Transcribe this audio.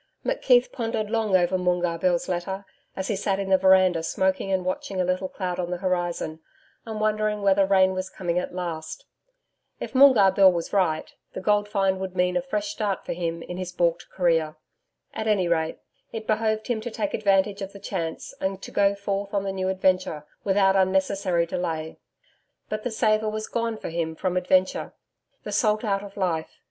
McKeith pondered long over Moongarr Bill's letter, as he sat in the veranda smoking and watching a little cloud on the horizon, and wondering whether rain was coming at last.... If Moongarr Bill was right, the gold find would mean a fresh start for him in his baulked career. At any rate, it behoved him to take advantage of the chance and to go forth on the new adventure without unnecessary delay. But the savour was gone for him from adventure the salt out of life.